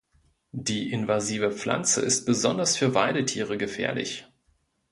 Die invasive Pflanze ist besonders für Weidetiere gefährlich.